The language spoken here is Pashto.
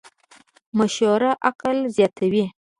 مشوره عقل زیاتوې.